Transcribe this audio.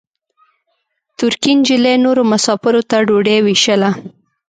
ترکۍ نجلۍ نورو مساپرو ته ډوډۍ وېشله.